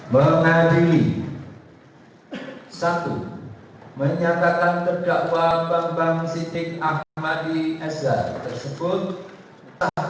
mengadili satu menyatakan terdakwa bambang sidik akhmadi esar tersebut